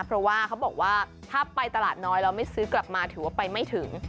เพราะว่าเขาบอกว่าถ้าไปตลาดน้อยแล้วไม่ซื้อกลับมาถือว่าไปไม่ถึง